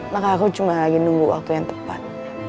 maka aku cuma lagi nunggu waktu yang tepat